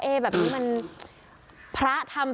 เป็นพระรูปนี้เหมือนเคี้ยวเหมือนกำลังทำปากขมิบท่องกระถาอะไรสักอย่าง